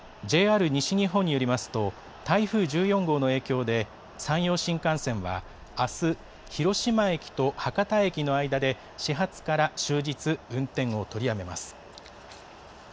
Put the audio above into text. ＪＲ西日本によりますと、台風１４号の影響で、山陽新幹線はあす、広島駅と博多駅の間で始発から終日、運転を取りやめます。